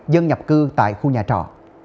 dân nhập cư tại khu nhà trọ